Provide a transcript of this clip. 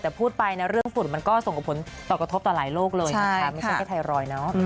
แต่พูดไปนะเรื่องฝุ่นมันก็ส่งผลต่อกระทบต่อหลายโลกเลยนะคะไม่ใช่แค่ไทรอยด์เนาะ